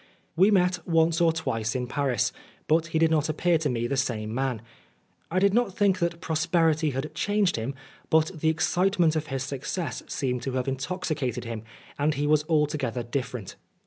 We met once or twice in Paris, but he did not appear to me the same man. I did not think that prosperity had changed him, but the excitement of his success seemed to have intoxicated him, and he was alto gether different.